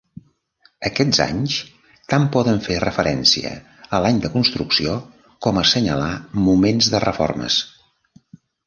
Aquests anys tant poden fer referència a l'any de construcció com assenyalar moments de reformes.